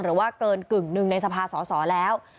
หรือว่าเกินกึ่งหนึ่งในสภาสอสอแล้ว